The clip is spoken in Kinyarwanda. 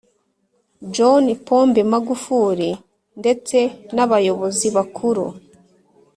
john pombe magufuri ndetse n’abayobozi bakuru